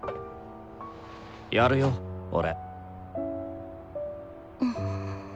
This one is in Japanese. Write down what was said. やるよ俺。